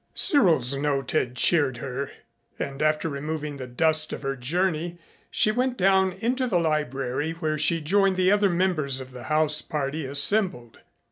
Cyril's note had cheered her, and after removing the dust of her journey she went down into the library, where she joined the other members of the house party assembled.